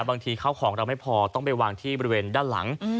บางทีเข้าของเราไม่พอต้องไปวางที่บริเวณด้านหลัง